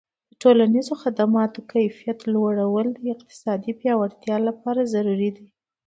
د ټولنیزو خدماتو کیفیت لوړول د اقتصادي پیاوړتیا لپاره ضروري دي.